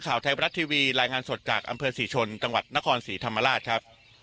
ข่าวไทยบรัฐทีวีรายงานสดจากอำเภอศรีชนจังหวัดนครศรีธรรมราชครับ